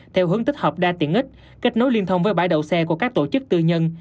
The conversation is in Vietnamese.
theo hướng tích hợp đa tiện ích kết nối liên thông với bãi đậu xe của các tổ chức tư nhân